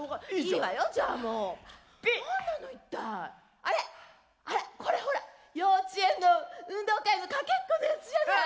あらほらほら幼稚園の運動会のかけっこのやつじゃない！